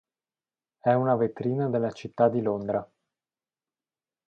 È una vetrina della Città di Londra.